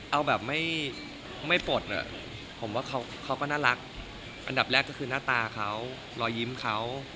เอาแบบไม่ปลดผมว่าเขาก็น่ารักอันดับแรกก็คือหน้าตาเขารอยยิ้มเขา